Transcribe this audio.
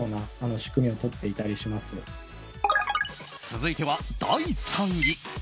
続いては第３位。